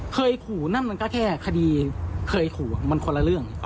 เคยขู่นั่นมันก็แค่คดีเคยขู่มันคนละเรื่อง